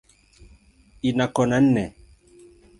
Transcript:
Ina kona nne.